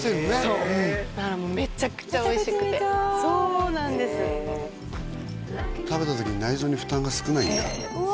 そうだからめちゃくちゃおいしくて食べてみたいへえ食べた時に内臓に負担が少ないんだうわ